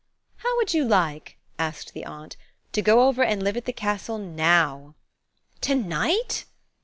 "How would you like," asked the aunt, "to go over and live at the castle now?" "To night?"